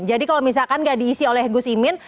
jadi kalau misalkan gak diisi oleh gus imin